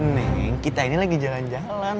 mending kita ini lagi jalan jalan